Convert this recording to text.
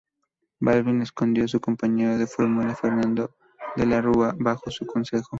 Balbín escogió a su compañero de fórmula, Fernando de la Rúa, bajo su consejo.